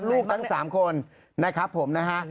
ลูกทั้ง๓คนนะครับผมนะฮะ